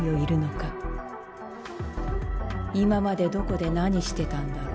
今までどこで何してたんだろ？